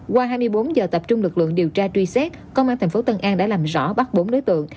qua hai mươi bốn giờ tập trung lực lượng điều tra truy xét công an tp tân an đã làm rõ bắt bốn đối tượng